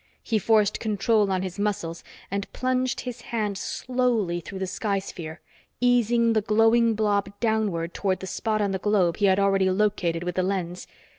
He forced control on his muscles and plunged his hand slowly through the sky sphere, easing the glowing blob downward toward the spot on the globe he had already located with the lens.